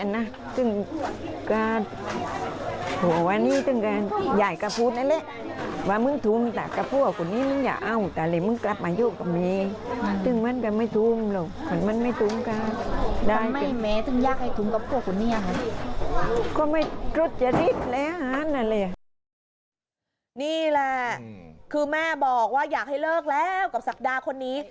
นี่แหละคือแม่บอกว่าอยากให้เลิกแล้วกับศักดาคนนี้